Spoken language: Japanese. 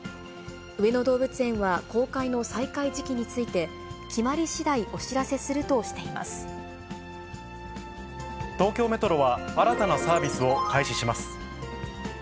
上野動物園は公開の再開時期について、決まりしだいお知らせする東京メトロは、新たなサービスを開始します。